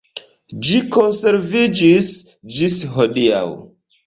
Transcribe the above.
Ĝi konserviĝis ĝis hodiaŭ.